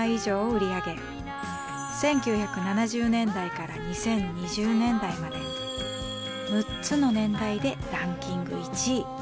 １９７０年代から２０２０年代まで６つの年代でランキング１位。